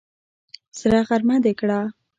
سره غرمه دې کړه!